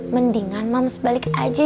mendingan moms balik aja